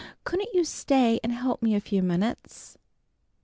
Couldn't you stay and help me a few minutes?"